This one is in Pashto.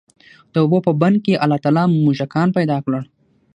د اوبو په بند کي الله تعالی موږکان پيدا کړل،